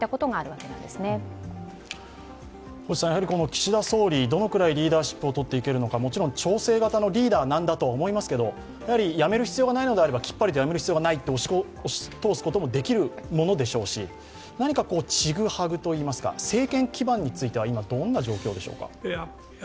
岸田総理、どのくらいリーダーシップをとっていけるのかもちろん調整型のリーダーなんだとは思いますけれども、辞める必要がないのであればきっぱりと辞める必要がないと押し通すこともできるものでしょうし、何かちぐはぐといいますか政権基盤については今どんな状況でしょうか？